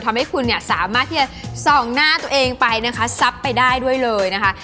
ทำให้คุณสามารถที่จะซองหน้าตัวเองไปซับไปได้ด้วยเลยนะคะ